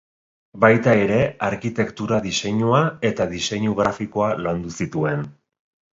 Baita ere arkitektura diseinua eta diseinu grafikoa landu zituen.